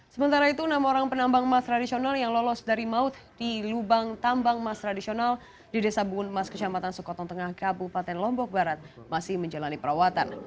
sementara itu enam orang penambang emas tradisional yang lolos dari maut di lubang tambang emas tradisional di desa buun emas kecamatan sukotong tengah kabupaten lombok barat masih menjalani perawatan